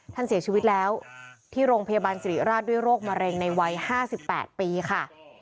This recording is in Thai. ท่านเสียชีวิตแล้วที่โรงพยาบาลสิริราชด้วยโรคมะเร็งในวัย๕๘ปีค่ะ